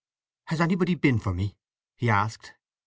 "Has anybody been for me?" he asked.